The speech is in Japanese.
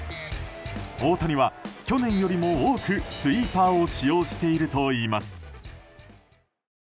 大谷は去年よりも多くスイーパーを使用しているといいます。